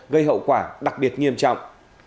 gây hậu quả đặc biệt nghiêm trọng